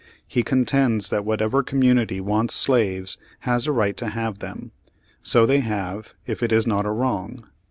He contends that whatever community wants slaves has a right to have them. So they have, if it is not a wrong.